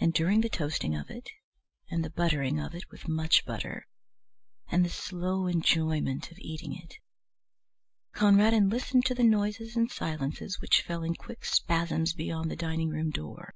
And during the toasting of it and the buttering of it with much butter and the slow enjoyment of eating it, Conradin listened to the noises and silences which fell in quick spasms beyond the dining room door.